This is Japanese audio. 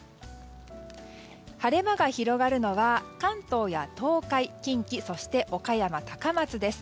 晴れ間が広がるのは関東や東海近畿、そして岡山、高松です。